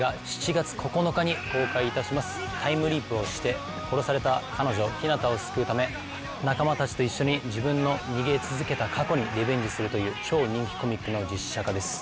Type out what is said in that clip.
タイムリープをして殺された彼女日向を救うため仲間たちと一緒に自分の逃げ続けた過去にリベンジするという超人気コミックの実写化です